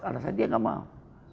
alasan dia gak mau